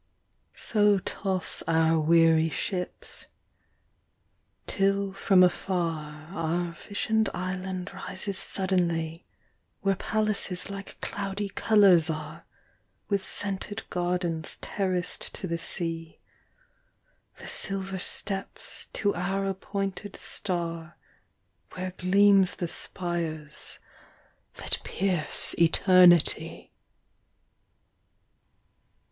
— So toss our weary ships, till from afar Our visioned island rises suddenly, Where palaces like cloudy colours are, With scented gardens terraced to the sea, The silver steps to our appointed star Where gleams the spires that pierce eternity.